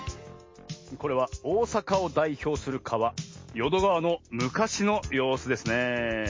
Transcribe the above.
これはおおさかをだいひょうするかわよどがわのむかしのようすですねえ。